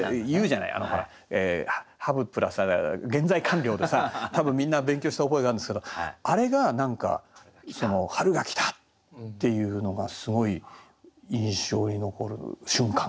ｈａｖｅプラス現在完了でさ多分みんな勉強した覚えがあるんですけどあれが何か「春が来た」っていうのがすごい印象に残る瞬間かな。